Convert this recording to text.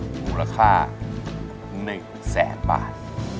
มูลค่า๑แสนบาท